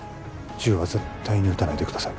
銃は絶対に撃たないでください